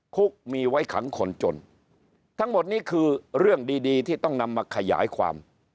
คุกมีไว้ขังคนจนทั้งหมดนี้คือเรื่องดีดีที่ต้องนำมาขยายความ